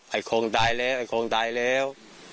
ไอ้คงตายแล้วไอ้คงตายแล้ว